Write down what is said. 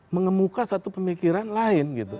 mengemuka satu pemikiran lain gitu